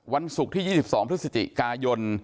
วันศุกร์ที่๒๒พฤศจิกายน